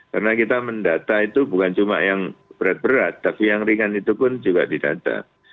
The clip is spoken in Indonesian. karena kita mendata itu bukan cuma yang berat berat tapi yang ringan itu pun juga didata